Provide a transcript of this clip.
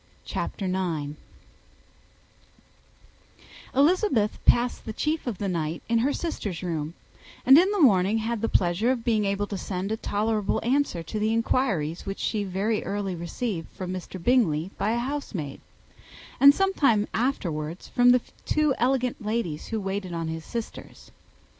_]] CHAPTER IX. Elizabeth passed the chief of the night in her sister's room, and in the morning had the pleasure of being able to send a tolerable answer to the inquiries which she very early received from Mr. Bingley by a housemaid, and some time afterwards from the two elegant ladies who waited on his sisters.